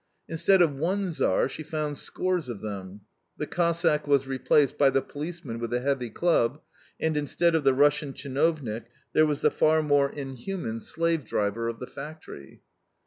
Instead of one Tsar, she found scores of them; the Cossack was replaced by the policeman with the heavy club, and instead of the Russian CHINOVNIK there was the far more inhuman slave driver of the factory.